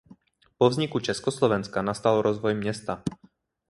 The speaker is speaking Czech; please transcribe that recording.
Po vzniku Československa nastal rozvoj města.